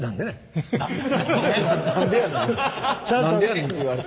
「なんでやねん」って言われた。